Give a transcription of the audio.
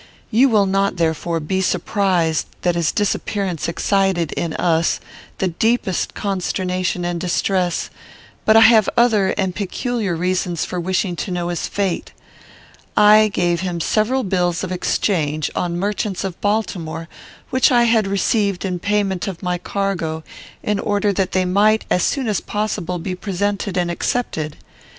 You will not, therefore, be surprised that his disappearance excited, in us, the deepest consternation and distress; but I have other and peculiar reasons for wishing to know his fate. I gave him several bills of exchange on merchants of Baltimore, which I had received in payment of my cargo, in order that they might, as soon as possible, be presented and accepted.